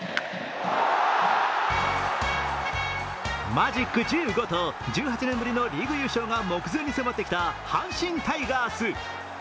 マジック１５と、１８年ぶりのリーグ優勝が目前に迫ってきた阪神タイガース。